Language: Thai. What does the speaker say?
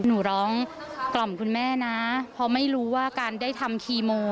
หนูร้องกล่อมคุณแม่นะเพราะไม่รู้ว่าการได้ทำคีโม